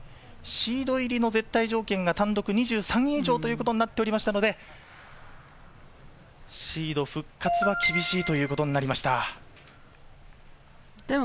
シード入りの絶対条件が単独２３位以上となっていましたので、シード復活は厳しいということになりました。